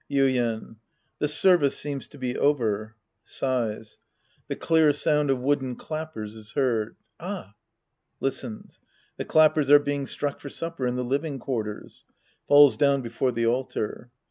Yuien. The service seems to be over. {Sighs. The clear sound of wooden clappers is heard.) Ah. (Listens.) The clappers are being struck for supper in the living quarters. (Falls down before the altar.)